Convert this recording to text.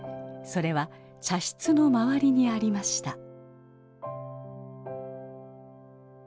それは茶室の周りにありました。